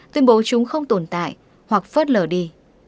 tuyên bố chúng không tồn tại hoặc phớt lở đi